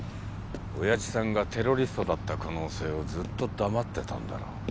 親父さんがテロリストだった可能性をずっと黙ってたんだろ